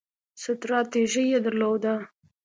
ستراتیژي یې درلوده.